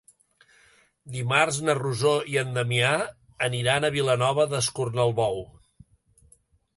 Dimarts na Rosó i en Damià aniran a Vilanova d'Escornalbou.